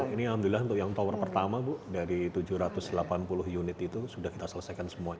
ini alhamdulillah untuk yang tower pertama bu dari tujuh ratus delapan puluh unit itu sudah kita selesaikan semua